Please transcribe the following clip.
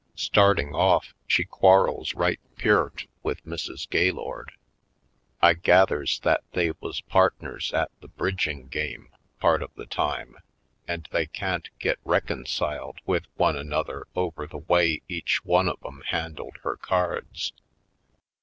Starting off she quarrels right peart with Mrs. Gaylord. I gathers that they was partners at the bridging game part of the time and they can't get reconciled with one another over the way each one of 'em handled her cards.